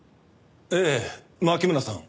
ええ牧村さん